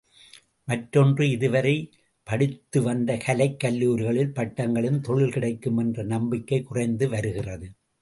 மற்றொன்று இதுவரை படி.த்துவந்த கலைக் கல்லூரிகளில் பட்டங்களுக்குத் தொழில் கிடைக்கும் என்ற நம்பிக்கை குறைந்து வருகிறது.